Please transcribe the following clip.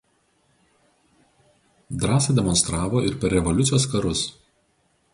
Drąsą demonstravo ir per revoliucijos karus.